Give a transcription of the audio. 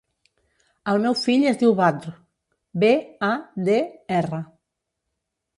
El meu fill es diu Badr: be, a, de, erra.